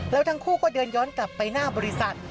แล้วทั้งคู่ก็เดินย้อนกลับไปหน้าบริษัท